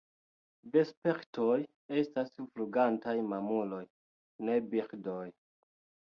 Vespertoj estas flugantaj mamuloj, ne birdoj.